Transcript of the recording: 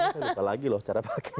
saya lupa lagi loh cara pakai